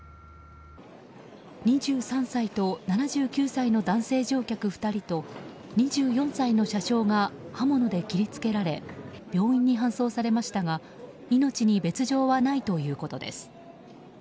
２３歳と７９歳の男性乗客２人と２４歳の車掌が刃物で切り付けられ病院に搬送されましたが命に別条はないということです。